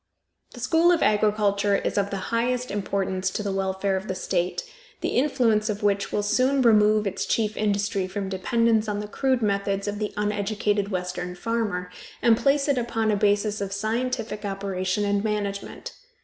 The school of agriculture is of the highest importance to the welfare of the state, the influence of which will soon remove its chief industry from dependence on the crude methods of the uneducated Western farmer, and place it upon a basis of scientific operation and management.